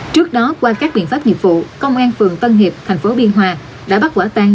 trước đó qua các biện pháp nghiệp vụ công an phường tân hiệp thành phố biên hòa đã bắt quả tang